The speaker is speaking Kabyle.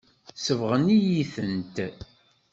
Sebɣen-iyi-tent.